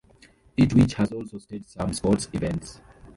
It which has also staged some sports events.